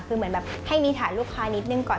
คือเหมือนแบบให้มีฐานลูกค้านิดนึงก่อน